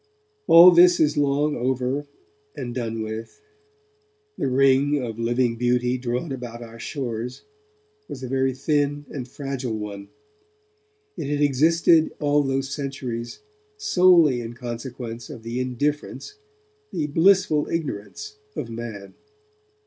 All this is long over and done with. The ring of living beauty drawn about our shores was a very thin and fragile one. It had existed all those centuries solely in consequence of the indifference, the blissful ignorance of man.